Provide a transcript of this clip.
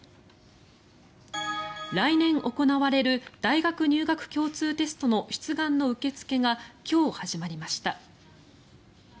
来年行われる大学入学共通テストの出願の受け付けが今日、始まりました。